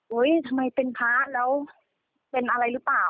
ทำไมเป็นพระแล้วเป็นอะไรหรือเปล่า